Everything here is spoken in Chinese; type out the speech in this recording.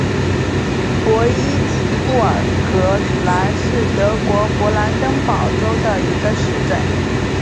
博伊岑布尔格尔兰是德国勃兰登堡州的一个市镇。